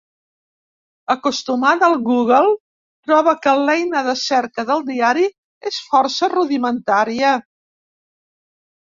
Acostumada al Google, troba que l'eina de cerca del diari és força rudimentària.